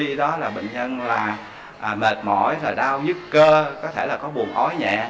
khi đó là bệnh nhân là mệt mỏi là đau dứt cơ có thể là có buồn ói nhẹ